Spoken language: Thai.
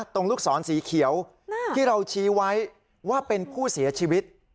ลูกศรสีเขียวที่เราชี้ไว้ว่าเป็นผู้เสียชีวิต